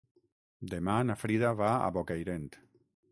Demà na Frida va a Bocairent.